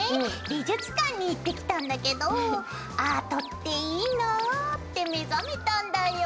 美術館に行ってきたんだけどアートっていいなって目覚めたんだよ。